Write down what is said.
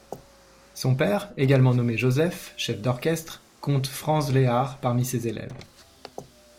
Son père, également nommé Josef, chef d'orchestre, compte Franz Lehár parmi ses élèves.